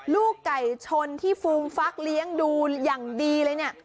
ลูกไก่ชนที่ฟูมฟักเลี้ยงดูอย่างดีเลยเนี่ย